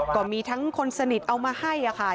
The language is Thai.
ก็มีทั้งคนสนิทเอามาให้ค่ะ